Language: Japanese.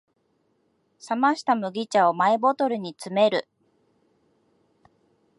冷ました麦茶をマイボトルに詰める